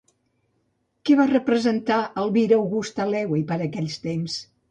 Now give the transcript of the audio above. Què va representar Elvira-Augusta Lewi per a aquells temps?